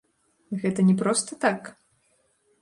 Гэта не проста так?